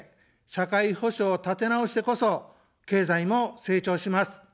社会保障を立てなおしてこそ、経済も成長します。